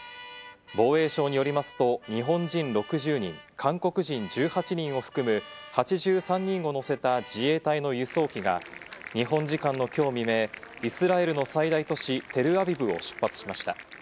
防衛省によりますと、日本人６０人、韓国人１８人を含む８３人を乗せた自衛隊の輸送機が日本時間のきょう未明、イスラエルの最大都市・テルアビブを出発しました。